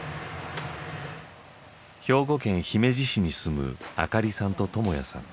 兵庫県姫路市に住むあかりさんとともやさん。